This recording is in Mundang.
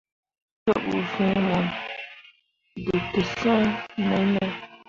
Te ɓu fĩĩ mo dǝtǝs̃ǝǝ nai ne ?